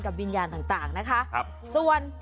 วิญญาณต่างนะคะส่วน